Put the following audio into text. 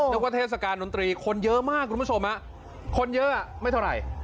ว่าเทศกาลดนตรีคนเยอะมากคุณผู้ชมคนเยอะไม่เท่าไหร่